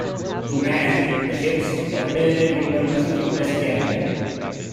To man the ships, ordinary people must be press-ganged.